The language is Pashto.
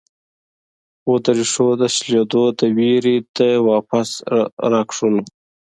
خو د ريښو د شلېدو د وېرې د واپس راښکلو